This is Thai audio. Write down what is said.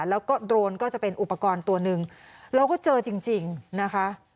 แล้วก็โดรนก็จะเป็นอุปกรณ์ตัวหนึ่งเราก็เจอจริงนะคะ